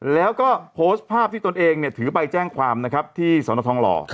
แล้วก็โพสต์ภาพที่ตนเองถือใบแจ้งความนะครับที่สนทองหล่อ